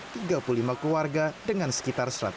tiga puluh lima keluarga dengan sekitar satu ratus lima puluh jiwa